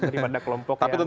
daripada kelompok yang